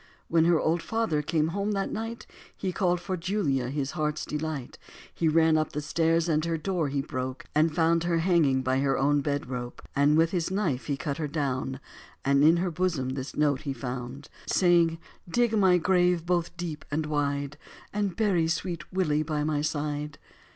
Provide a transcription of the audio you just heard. When her old father came home that night He called for Julia, his heart's delight, He ran up stairs and her door he broke And found her hanging by her own bed rope. And with his knife he cut her down, And in her bosom this note he found Saying, "Dig my grave both deep and wide And bury sweet Willie by my side."